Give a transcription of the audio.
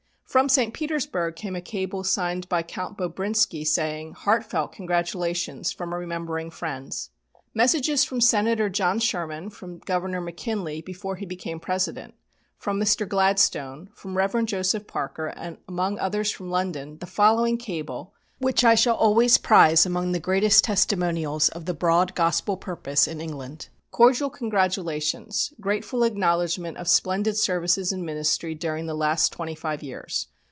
From St. Petersburg came a cable, signed by Count Bobrinsky, saying: "Heartfelt congratulations from remembering friends." Messages from Senator John Sherman, from Governor McKinley (before he became President), from Mr. Gladstone, from Rev. Joseph Parker, and among others from London, the following cable, which I shall always prize among the greatest testimonials of the broad Gospel purpose in England "Cordial congratulations; grateful acknowledgment of splendid services in ministry during last twenty five years.